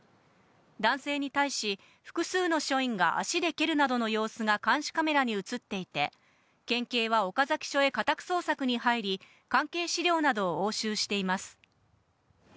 男性に対し、複数の署員が足で蹴るなどの様子が監視カメラに写っていて、県警は岡崎署へ家宅捜索に入り、関係資料などを押収しています。